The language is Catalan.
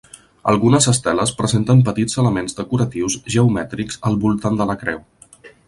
Algunes esteles presenten petits elements decoratius geomètrics al voltant de la creu.